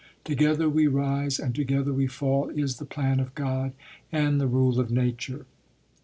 Together we rise and together we fall is the plan of God and the rule of nature.